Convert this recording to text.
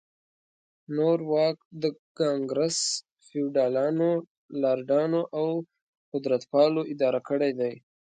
نور واک د ګانګرس فیوډالانو، لارډانو او قدرتپالو اداره کړی دی.